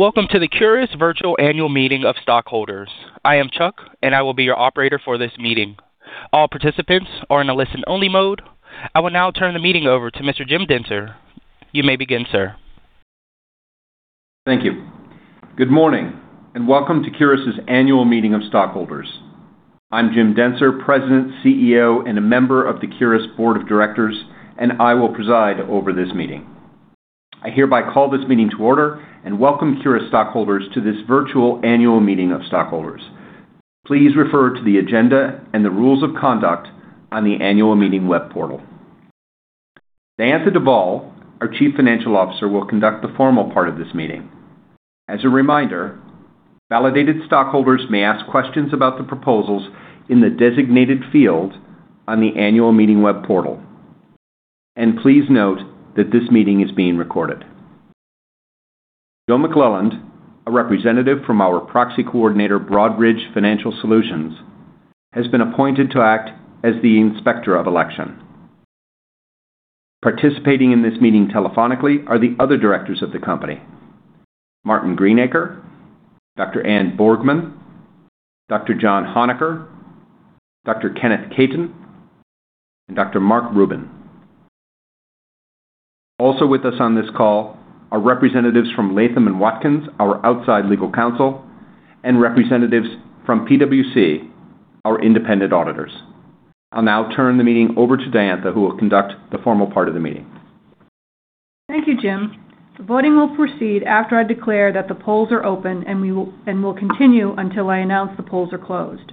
Welcome to the Curis Virtual Annual Meeting of Stockholders. I am Chuck, and I will be your operator for this meeting. All participants are in a listen only mode. I will now turn the meeting over to Mr. Jim Dentzer. You may begin, sir. Thank you. Good morning, and welcome to Curis' Annual Meeting of Stockholders. I'm Jim Dentzer, President, CEO, and a member of the Curis Board of Directors, and I will preside over this meeting. I hereby call this meeting to order and welcome Curis stockholders to this virtual annual meeting of stockholders. Please refer to the agenda and the rules of conduct on the annual meeting web portal. Diantha Duvall, our Chief Financial Officer, will conduct the formal part of this meeting. As a reminder, validated stockholders may ask questions about the proposals in the designated field on the annual meeting web portal. Please note that this meeting is being recorded. Joe McClelland, a representative from our proxy coordinator, Broadridge Financial Solutions, has been appointed to act as the Inspector of Election. Participating in this meeting telephonically are the other directors of the company, Martyn Greenacre, Dr. Anne Borgman, Dr. John Hohneker, Dr. Kenneth Kaitin, and Dr. Marc Rubin. Also with us on this call are representatives from Latham & Watkins LLP, our outside legal counsel, and representatives from PwC, our independent auditors. I'll now turn the meeting over to Diantha, who will conduct the formal part of the meeting. Thank you, Jim. The voting will proceed after I declare that the polls are open and will continue until I announce the polls are closed.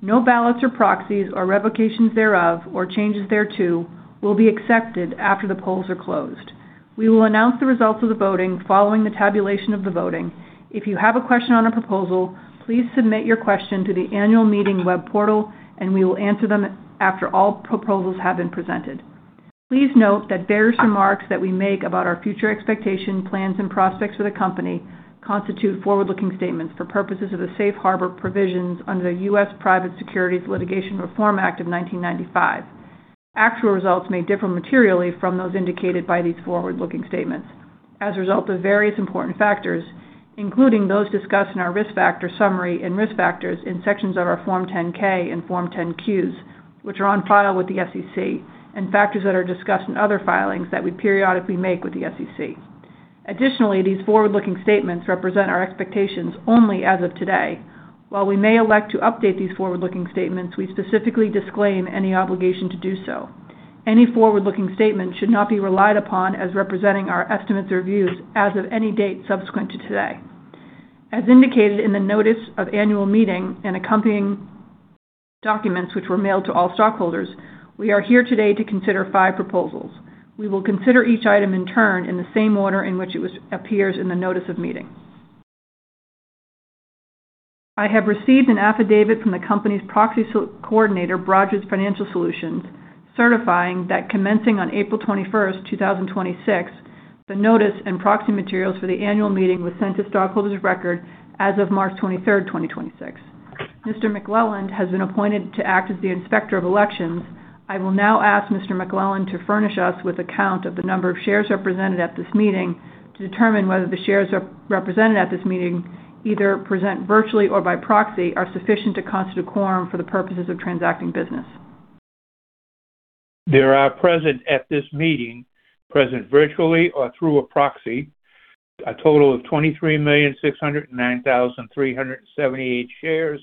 No ballots or proxies or revocations thereof or changes thereto will be accepted after the polls are closed. We will announce the results of the voting following the tabulation of the voting. If you have a question on a proposal, please submit your question to the Annual Meeting web portal, and we will answer them after all proposals have been presented. Please note that various remarks that we make about our future expectations, plans, and prospects for the company constitute forward-looking statements for purposes of the safe harbor provisions under the U.S. Private Securities Litigation Reform Act of 1995. Actual results may differ materially from those indicated by these forward-looking statements as a result of various important factors, including those discussed in our risk factor summary and risk factors in sections of our Form 10-K and Form 10-Qs, which are on file with the SEC, and factors that are discussed in other filings that we periodically make with the SEC. Additionally, these forward-looking statements represent our expectations only as of today. While we may elect to update these forward-looking statements, we specifically disclaim any obligation to do so. Any forward-looking statement should not be relied upon as representing our estimates or views as of any date subsequent to today. As indicated in the notice of Annual Meeting and accompanying documents, which were mailed to all stockholders, we are here today to consider five proposals. We will consider each item in turn in the same order in which it appears in the notice of meeting. I have received an affidavit from the company's proxy coordinator, Broadridge Financial Solutions, certifying that commencing on April 21st, 2026, the notice and proxy materials for the Annual Meeting was sent to stockholders of record as of March 23rd, 2026. Mr. McClelland has been appointed to act as the Inspector of Elections. I will now ask Mr. McClelland to furnish us with a count of the number of shares represented at this meeting to determine whether the shares represented at this meeting, either present virtually or by proxy, are sufficient to constitute a quorum for the purposes of transacting business. There are present at this meeting, present virtually or through a proxy, a total of 23,609,378 shares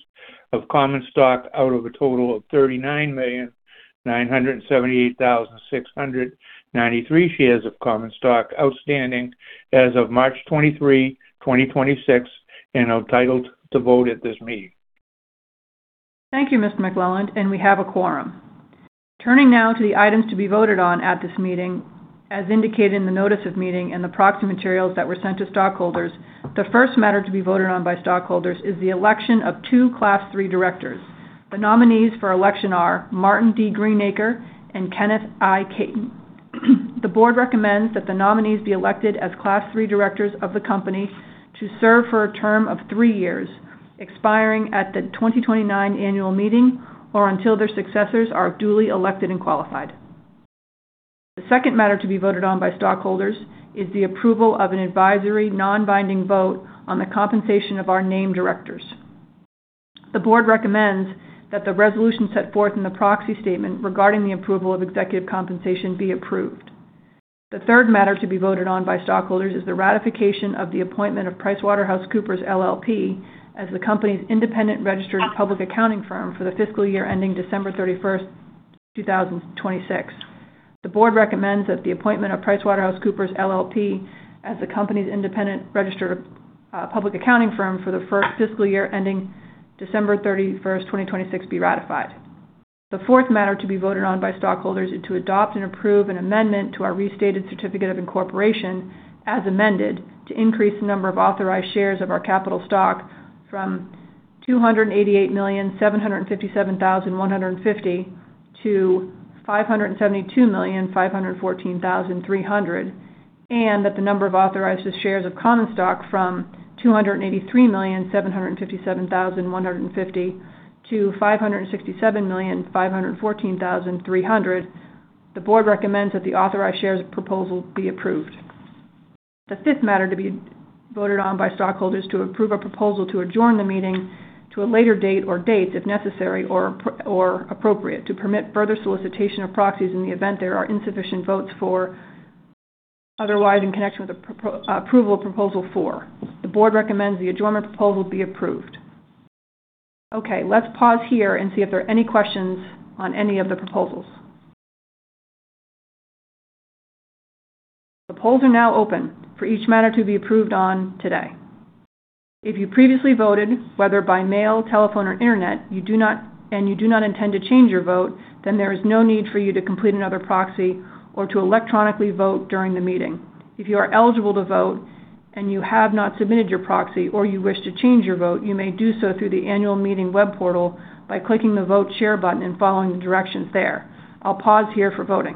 of common stock out of a total of 39,978,693 shares of common stock outstanding as of March 23, 2026 and entitled to vote at this meeting. Thank you, Mr. McClelland, and we have a quorum. Turning now to the items to be voted on at this meeting, as indicated in the notice of meeting and the proxy materials that were sent to stockholders, the first matter to be voted on by stockholders is the election of two Class 3 Directors. The nominees for election are Martyn D. Greenacre and Kenneth I. Kaitin. The Board recommends that the nominees be elected as Class 3 Directors of the company to serve for a term of three years, expiring at the 2029 Annual Meeting or until their successors are duly elected and qualified. The second matter to be voted on by stockholders is the approval of an advisory non-binding vote on the compensation of our named Directors. The Board recommends that the resolution set forth in the proxy statement regarding the approval of Executive compensation be approved. The third matter to be voted on by stockholders is the ratification of the appointment of PricewaterhouseCoopers LLP as the company's independent registered public accounting firm for the fiscal year ending December 31st, 2026. The Board recommends that the appointment of PricewaterhouseCoopers LLP as the company's independent registered public accounting firm for the fiscal year ending December 31st, 2026 be ratified. The fourth matter to be voted on by stockholders is to adopt and approve an amendment to our restated certificate of incorporation as amended to increase the number of authorized shares of our capital stock from 288,757,150 to 572,514,300, and that the number of authorized shares of common stock from 283,757,150 to 567,514,300. The Board recommends that the authorized shares proposal be approved. The fifth matter to be voted on by stockholders to approve a proposal to adjourn the meeting to a later date or dates, if necessary or appropriate, to permit further solicitation of proxies in the event there are insufficient votes for otherwise in connection with the approval of proposal four. The Board recommends the adjournment proposal be approved. Let's pause here and see if there are any questions on any of the proposals. The polls are now open for each matter to be approved on today. If you previously voted, whether by mail, telephone or internet, you do not intend to change your vote, then there is no need for you to complete another proxy or to electronically vote during the meeting. If you are eligible to vote and you have not submitted your proxy or you wish to change your vote, you may do so through the Annual Meeting web portal by clicking the Vote [Share] button and following the directions there. I'll pause here for voting.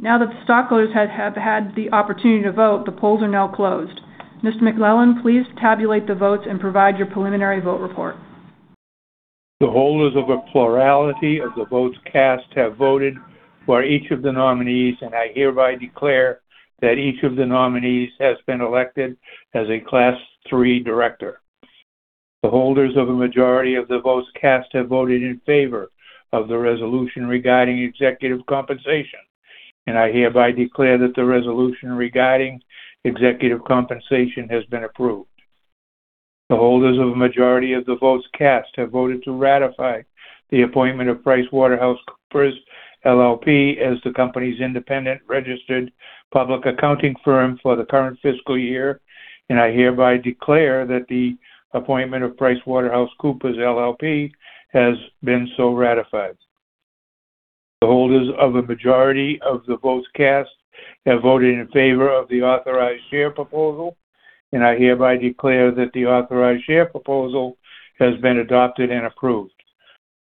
That the stockholders have had the opportunity to vote, the polls are now closed. Mr. McClelland, please tabulate the votes and provide your preliminary vote report. The holders of a plurality of the votes cast have voted for each of the nominees, and I hereby declare that each of the nominees has been elected as a Class 3 Director. The holders of a majority of the votes cast have voted in favor of the resolution regarding Executive compensation, and I hereby declare that the resolution regarding Executive compensation has been approved. The holders of a majority of the votes cast have voted to ratify the appointment of PricewaterhouseCoopers LLP as the company's independent registered public accounting firm for the current fiscal year, and I hereby declare that the appointment of PricewaterhouseCoopers LLP has been so ratified. The holders of a majority of the votes cast have voted in favor of the authorized share proposal, and I hereby declare that the authorized share proposal has been adopted and approved.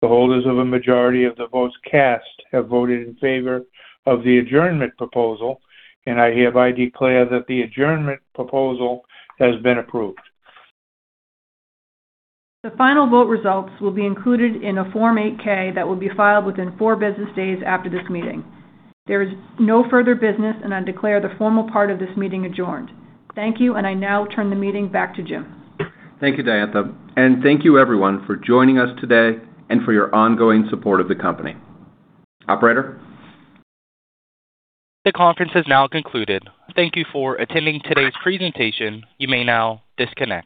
The holders of a majority of the votes cast have voted in favor of the adjournment proposal, and I hereby declare that the adjournment proposal has been approved. The final vote results will be included in a Form 8-K that will be filed within four business days after this meeting. There is no further business, and I declare the formal part of this meeting adjourned. Thank you, and I now turn the meeting back to Jim. Thank you, Diantha, and thank you, everyone, for joining us today and for your ongoing support of the company. Operator. The conference has now concluded. Thank you for attending today's presentation. You may now disconnect.